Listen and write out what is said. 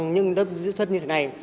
những lớp diễn xuất như thế này